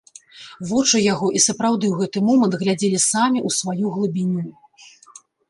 Вочы яго і сапраўды ў гэты момант глядзелі самі ў сваю глыбіню.